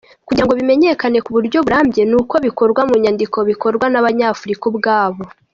Kugira ngo bimenyekane ku buryo burambye ni uko bikorwa munyandiko bikorwa n’ Abanyafurika ubwabo.